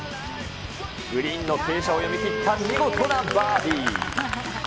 グリーンの傾斜を読み切った見事なバーディー。